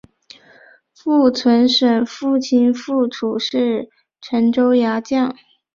符存审父亲符楚是陈州牙将。